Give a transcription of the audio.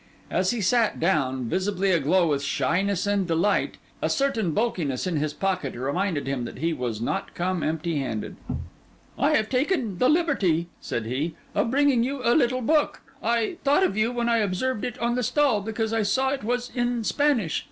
As he sat down, visibly aglow with shyness and delight, a certain bulkiness in his pocket reminded him that he was not come empty handed. 'I have taken the liberty,' said he, 'of bringing you a little book. I thought of you, when I observed it on the stall, because I saw it was in Spanish.